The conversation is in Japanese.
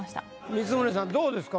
光宗さんどうですか？